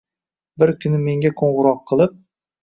Bir kuni menga qo`g`iroq qilib